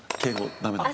ダメだ。